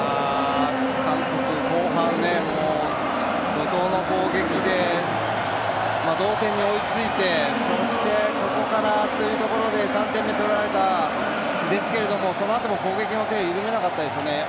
韓国、後半怒涛の攻撃で同点に追いついて、そしてここから！というところで３点目取られたんですけれどもそのあとも攻撃の手を緩めなかったですね。